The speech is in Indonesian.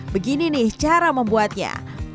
begini nih cara membuatnya